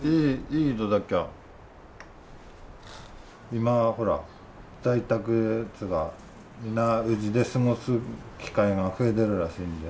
今はほら在宅っつうかみんなうちで過ごす機会が増えてるらしいんで。